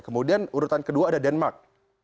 kemudian urutan kedua ada denmark